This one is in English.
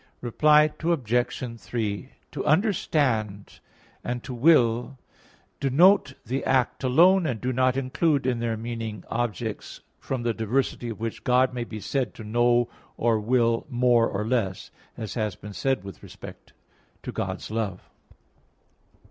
Reply Obj. 3: To understand and to will denote the act alone, and do not include in their meaning objects from the diversity of which God may be said to know or will more or less, as has been said with respect to God's love.